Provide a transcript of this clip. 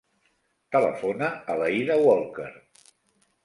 Telefona a l'Aïda Walker.